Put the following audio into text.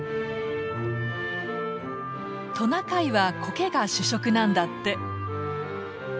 トナカイはコケが主食なんだって。